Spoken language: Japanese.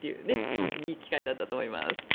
本当にいい機会だったと思います。